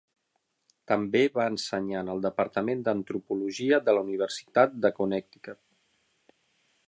També va ensenyar en el departament d'Antropologia de la Universitat de Connecticut.